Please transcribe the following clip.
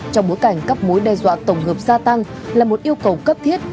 trong bối cảnh các mối đe dọa tổng hợp gia tăng là một yêu cầu cấp thiết